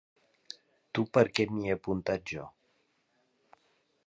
Tu perquè m'hi he apuntat jo.